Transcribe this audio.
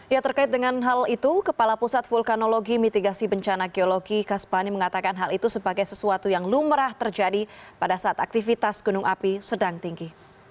ya terkait dengan hal itu kepala pusat vulkanologi mitigasi bencana geologi kaspani mengatakan hal itu sebagai sesuatu yang lumrah terjadi pada saat aktivitas gunung api sedang tinggi